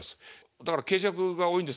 だから刑事役が多いんです。